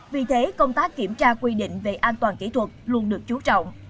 vì thế công tác kiểm tra quy định về an toàn kỹ thuật luôn được chú trọng